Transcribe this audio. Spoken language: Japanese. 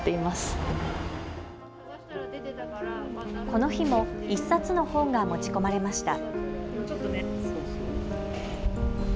この日も１冊の本が持ち込まれました。